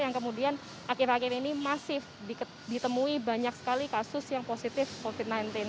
yang kemudian akhir akhir ini masif ditemui banyak sekali kasus yang positif covid sembilan belas